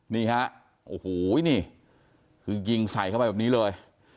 นี่ฮะโอ้โหนี่คือยิงใส่เข้าไปแบบนี้เลย